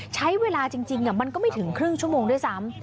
ใช้เวลาจริงมันก็ไม่ถึงครึ่งชั่วโมงด้วยซ้ำ